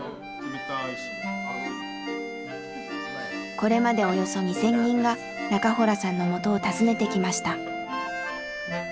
これまでおよそ２，０００人が中洞さんのもとを訪ねてきました。